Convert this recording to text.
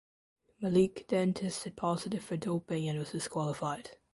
Malik then tested positive for doping and was disqualified.